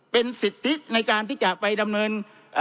เป็นสิทธิในการที่จะไปดำเนิน